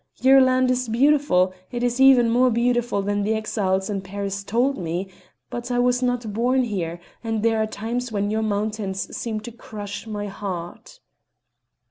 Your land is beautiful it is even more beautiful than the exiles in Paris told me; but I was not born here, and there are times when your mountains seem to crush my heart."